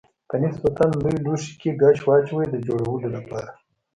په نسبتا لوی لوښي کې ګچ واچوئ د جوړولو لپاره.